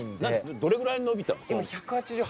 どれぐらい伸びたの？